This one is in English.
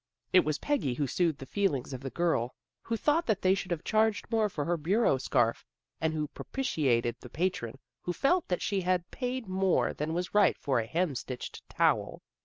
It was Peggy who soothed the feelings of the girl who thought that they should have charged more for her bureau scarf, and who propitiated the patron who felt that she had paid more than was right for a hem stitched towel.